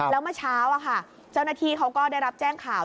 แล้วเมื่อเช้าเจ้าหน้าที่เขาก็ได้รับแจ้งข่าว